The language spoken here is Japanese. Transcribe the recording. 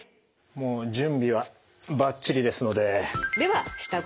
もう準備はバッチリですので。